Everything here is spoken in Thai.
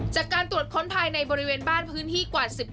จากการตรวจค้นภายในบริเวณบ้านพื้นที่กว่า๑๐